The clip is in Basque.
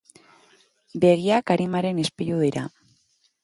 Begiak arimaren ispilu dira.